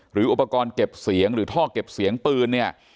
หรืออุปกรณ์เก็บเสียงหรือท่อเก็บเสียงปืนเนี่ย